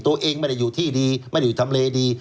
ตัวเองไม่ได้อยู่ที่ดีไม่ได้อยู่ทำเลดี